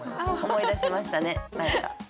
思い出しましたね何か。